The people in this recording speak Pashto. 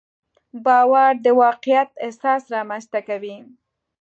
باور د واقعیت احساس رامنځته کوي.